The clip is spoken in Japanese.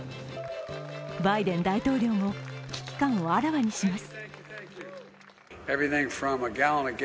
バイデン大統領も危機感をあらわにします。